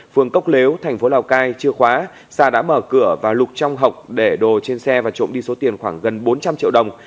phường cốc lếu tp lào cai chưa khóa sà đã mở cửa và lục trong hộp để đồ trên xe và trộm đi số tiền khoảng gần bốn trăm linh triệu đồng